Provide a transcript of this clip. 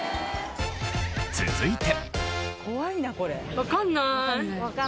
続いて。